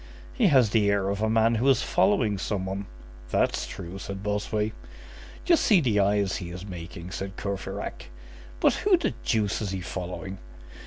"He has the air of a man who is following some one." "That's true," said Bossuet. "Just see the eyes he is making!" said Courfeyrac. "But who the deuce is he following?"